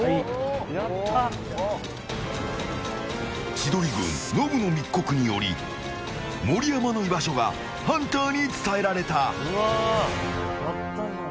千鳥軍、ノブの密告により盛山の居場所がハンターに伝えられた。